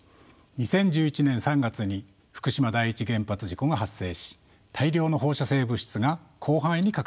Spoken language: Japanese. ２０１１年３月に福島第一原発事故が発生し大量の放射性物質が広範囲に拡散しました。